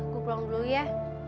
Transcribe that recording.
gue pulang dulu ya